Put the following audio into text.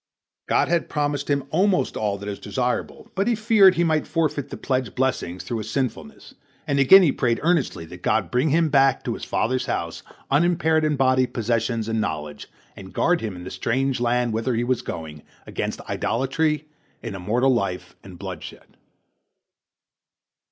God had promised him almost all that is desirable, but he feared he might forfeit the pledged blessings through his sinfulness, and again he prayed earnestly that God bring him back to his father's house unimpaired in body, possessions, and knowledge, and guard him, in the strange land whither he was going, against idolatry, an immoral life, and bloodshed.